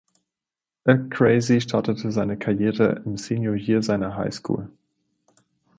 Acraze startete seine Karriere im Senior Year seiner High School.